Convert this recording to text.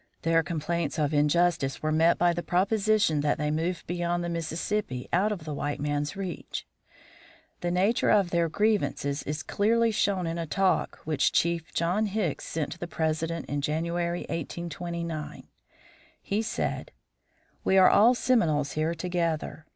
Their complaints of injustice were met by the proposition that they move beyond the Mississippi, out of the white man's reach. The nature of their grievances is clearly shown in a "talk" which Chief John Hicks sent to the President in January, 1829. He said: "We are all Seminoles here together.